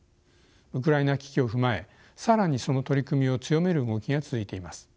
ウクライナ危機を踏まえ更にその取り組みを強める動きが続いています。